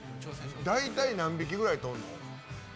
大体、何匹くらいとれるの？